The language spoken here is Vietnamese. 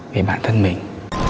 về bản thân mình